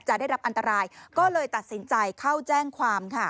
ได้รับอันตรายก็เลยตัดสินใจเข้าแจ้งความค่ะ